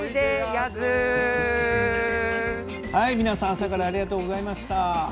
皆さん朝からありがとうございました。